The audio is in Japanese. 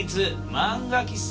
漫画喫茶。